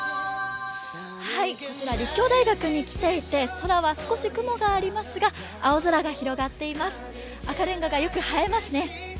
こちら、立教大学に来ていて、空は少し雲がありますが青空が広がっています、赤れんががよく生えますね。